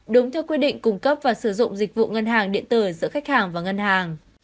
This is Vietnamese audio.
đúng theo quy định cung cấp và sử dụng dịch vụ ngân hàng điện tử giữa khách hàng và ngân hàng